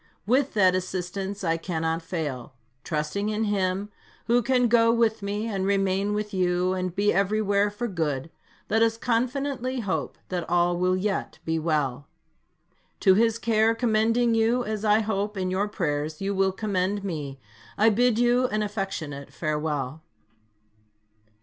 With that assistance, I cannot fail. Trusting in Him, who can go with me, and remain with you, and be everywhere for good, let us confidently hope that all will yet be well. To His care commending you, as I hope in your prayers you will commend me, I bid you an affectionate farewell.